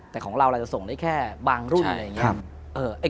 แต่ของเราเราจะส่งได้แค่บางรุ่นอะไรอย่างนี้